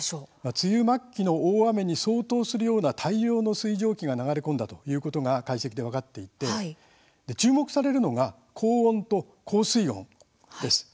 梅雨末期の大雨に相当するような大量の水蒸気が流れ込んだことが解析で分かっていて注目されるのが高温と高水温です。